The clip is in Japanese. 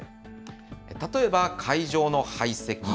例えば、会場の配席。